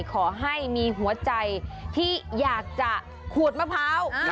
ขอให้มีหัวใจที่อยากจะขูดมะพร้าว